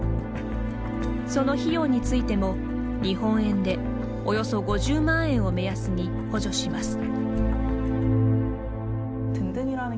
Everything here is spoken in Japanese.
その費用についても、日本円でおよそ５０万円を目安に補助します。